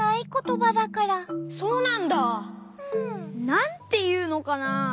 なんていうのかな。